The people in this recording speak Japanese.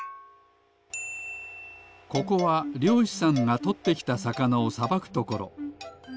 ここはりょうしさんがとってきたさかなをさばくところ。